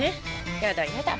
やだやだ。